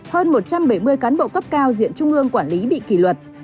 hơn một trăm bảy mươi cán bộ cấp cao diện trung ương quản lý bị kỷ luật